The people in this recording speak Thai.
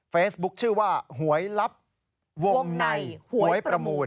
เฟซบุ๊คชื่อว่าหวยลับวงในหวยประมูล